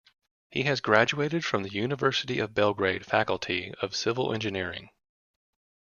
He has graduated from the University of Belgrade Faculty of Civil Engineering.